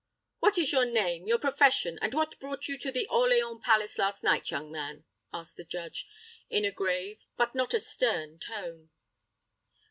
"What is your name, your profession, and what brought you to the Orleans palace last night, young man?" asked the judge, in a grave, but not a stern tone.